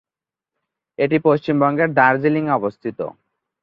এটি পশ্চিমবঙ্গের দার্জিলিং এ অবস্থিত।